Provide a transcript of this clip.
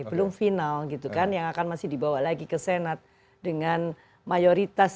belum final gitu kan yang akan masih dibawa lagi ke senat dengan mayoritas